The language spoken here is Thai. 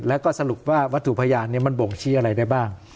แล้วก็สรุปว่าวัตถุพยานมันบ่งชี้อะไรได้บ้าง